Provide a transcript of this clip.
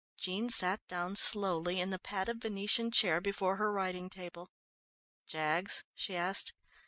Jean sat down slowly in the padded Venetian chair before her writing table. "Jaggs?" she asked.